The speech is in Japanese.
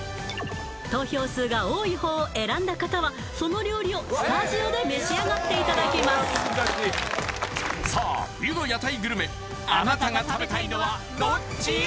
投票数が多い方を選んだ方はその料理をスタジオで召し上がっていただきますさあ冬の屋台グルメあなたが食べたいのはどっち？